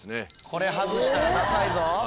これ外したらダサいぞ。